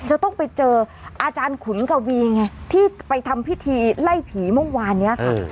จะต้องไปเจออาจารย์ขุนกวีไงที่ไปทำพิธีไล่ผีเมื่อวานนี้ค่ะ